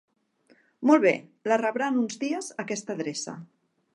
Molt bé, la rebrà en uns dies a aquesta adreça.